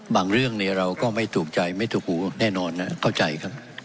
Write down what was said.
เรื่องเราก็ไม่ถูกใจไม่ถูกหูแน่นอนนะเข้าใจครับ